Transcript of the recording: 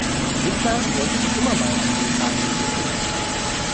Niklas wollte schon immer mal einen Vulkan besichtigen.